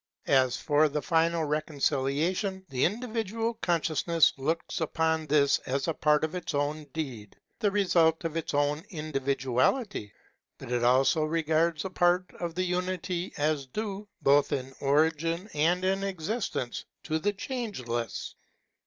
As for the final reconciliation, the indi vidual consciousness looks upon this as in part its own deed, the result of its own individuality ; but it also regards a part of the unity as due, both in origin and in existence, to the Change less.